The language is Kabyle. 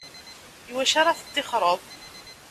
I wacu ara teṭṭixxreḍ?